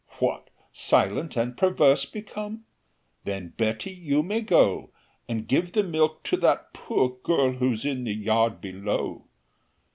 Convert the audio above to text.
"What! silent and perverse become? Then, Betty, you may go And give the milk to that poor girl Who's in the yard below.